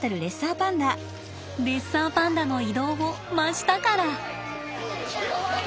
レッサーパンダの移動を真下から！